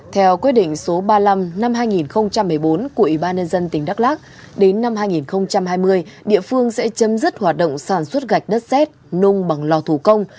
theo quyết định số ba mươi năm năm hai nghìn một mươi bốn của ủy ban nhân dân tỉnh đắk lắc đến năm hai nghìn hai mươi địa phương sẽ chấm dứt hoạt động sản xuất gạch đất xét nung bằng lò thủ công